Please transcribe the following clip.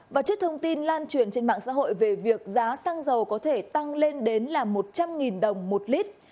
và trước thông tin lan truyền trên mạng xã hội về việc giá xăng dầu có thể tăng lên đến là một trăm linh đồng một lít